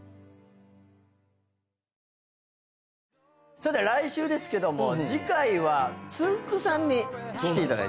さて来週ですけども次回はつんく♂さんに来ていただくと。